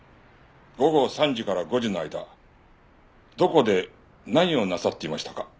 午後３時から５時の間どこで何をなさっていましたか？